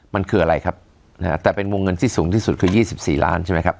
มันคืออะไรครับนะฮะแต่เป็นวงเงินที่สูงที่สุดคือ๒๔ล้านใช่ไหมครับ